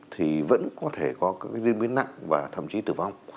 thì vẫn có thể có các diễn biến nặng và thậm chí tử vong